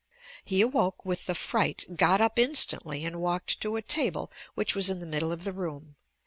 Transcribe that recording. He awoke with the fright, got up instantly and wallted to a table which was in the middle of the room.